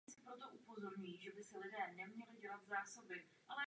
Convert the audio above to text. Měsíc ve svých různých podobách inspiroval celou řadu umělců.